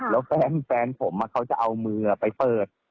แล้วแฟนผมเขาจะเอามือไปเปิด